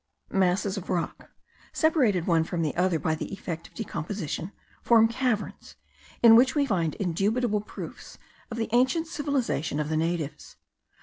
Masses of rock, separated one from the other by the effect of decomposition, form caverns, in which we find indubitable proofs of the ancient civilization of the natives.